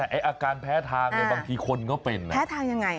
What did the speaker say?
แต่อาการแพ้ทางบางทีคนก็เป็นแพ้ทางยังไง